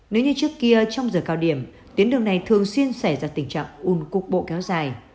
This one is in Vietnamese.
nếu như trước kia trong giờ cao điểm tuyến đường này thường xuyên xảy ra tình trạng ùn cục bộ kéo dài